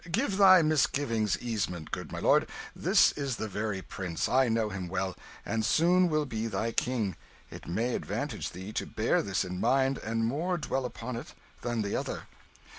Give thy misgivings easement, good my lord. This is the very prince I know him well and soon will be thy king; it may advantage thee to bear this in mind, and more dwell upon it than the other."